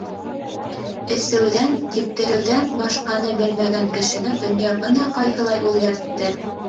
Әсеүҙән, типтереүҙән башҡаны белмәгән кешене донъя бына ҡайһылай үҙгәртте!